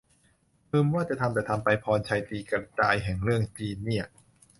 อืม ว่าจะทำ แต่ทำไป พรชัยตีกระจายแหง เรื่องจีนเนี่ย